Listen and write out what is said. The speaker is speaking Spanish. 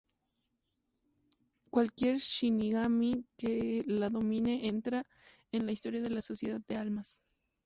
Cualquier shinigami que la domine entra en la historia de la sociedad de almas.